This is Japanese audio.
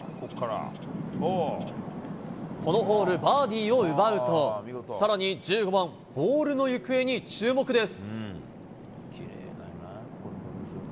このホール、バーディーを奪うと、さらに１５番、ボールの行方に注目です。